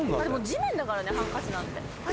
地面だからねハンカチなんて。